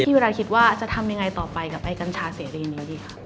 พี่วิรัติคิดว่าจะทำยังไงต่อไปกับกัญชาเสรีนี้ดีครับ